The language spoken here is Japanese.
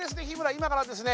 今からですね